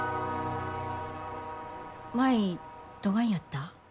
舞どがんやった？